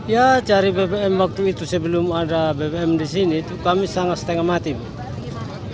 ya cari bbm waktu itu sebelum ada bbm di sini kami sangat setengah mati pak